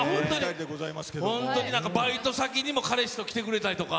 本当になんかバイト先にも彼氏と来てくれたりとか。